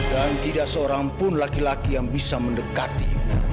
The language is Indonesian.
dan tidak seorangpun laki laki yang bisa mendekati